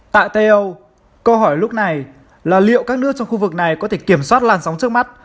tại tây âu câu hỏi lúc này là liệu các nước trong khu vực này có thể kiểm soát làn sóng trước mắt